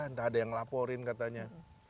tidak ada yang laporin katanya